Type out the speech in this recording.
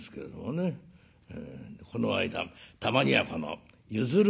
この間たまにはこの譲る